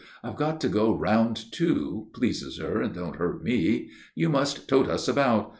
I've got to go round, too. Pleases her and don't hurt me. You must tote us about.